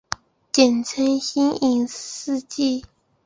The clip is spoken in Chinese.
简称新影世纪。